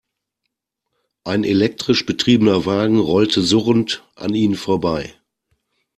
Ein elektrisch betriebener Wagen rollte surrend an ihnen vorbei.